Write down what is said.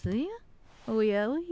おやおや。